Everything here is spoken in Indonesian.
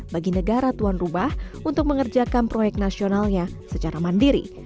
bagi negara tuan rumah untuk mengerjakan proyek nasionalnya secara mandiri